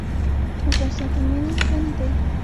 افغانستان په منی غني دی.